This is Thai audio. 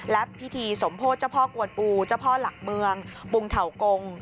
และพิธีสมโพธิเจ้าพ่อกวนอูเจ้าพ่อหลักเมืองปุงเถากง